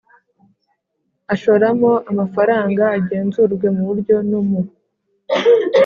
ashoramo amafaranga agenzurwe mu buryo no mu